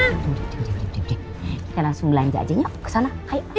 duduk duduk duduk kita langsung lanjut aja yuk kesana ayo